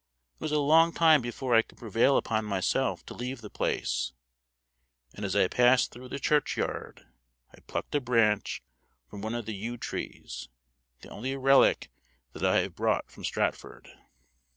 It was a long time before I could prevail upon myself to leave the place; and as I passed through the churchyard I plucked a branch from one of the yew trees, the only relic that I have brought from Stratford.